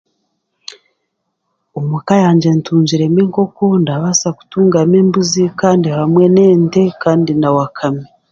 Omuka yangye ntungiremu enkoko, ndabaasa kutungamu embuzi kandi hamwe n'ente kandi na wakame.